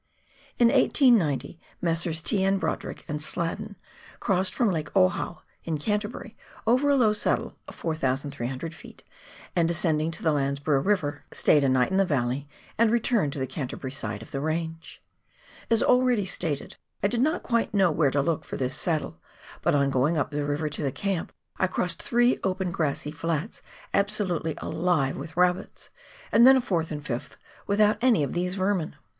In 189U, Messrs. T. N. Brodrick and Sladden crossed from Lake Ohau, in Canterbury, over a low saddle of 4,300 ft., and descending to the Landsborough River, stayed a night in the LANDSBOEOUGH EIVER. 225 valley and returned to the Canterbury side of tlie range. As already stated, I did not quite kuow where to look lor this sad dle, but on going up the river to the camp I crossed three open grass flats absolutely alive with rabbits, and then a fourth and fifth without any of these vermin.